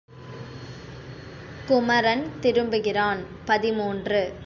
குமரன் திரும்புகிறான் பதிமூன்று.